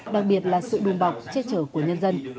đặc biệt là sự đùm bọc che chở của nhân dân